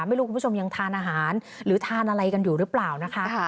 ไม่รู้คุณผู้ชมยังทานอาหารหรือทานอะไรกันอยู่หรือเปล่านะคะ